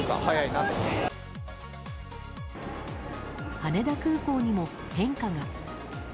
羽田空港にも変化が。